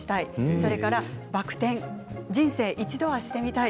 それからバク転人生、一度はしてみたい。